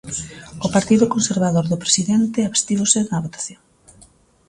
O partido conservador do presidente abstívose na votación.